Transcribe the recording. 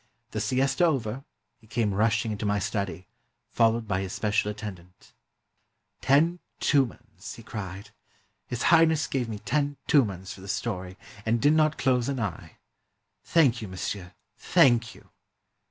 The siesta over, he came rushing into my study, followed by his special attendant. " Ten iumans /" he cried. " His Highness gave me ten iumans for the story, and did not close an eye! Thank you, monsieur, thank you!"